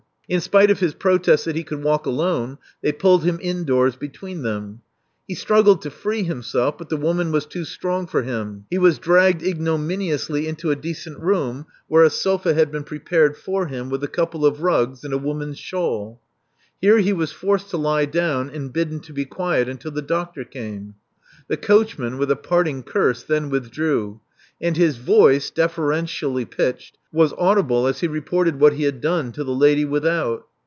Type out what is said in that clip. In spite of his protests that he could walk alone they pulled >r.m indoors between them. He struggled to free him v;';* ■ but the woman was too strong for him : he was .^. :znominiously into a decent room, where a sofa Love Among the Artists 349 had been prepared for him with a couple of rugs and a woman's shawl. Here he was forced to lie down, and bidden to be quiet until the doctor came. The coachman, with a parting curse, then withdrew; and his voice, deferentially pitched, was audible as he reported what he had done to the lady without.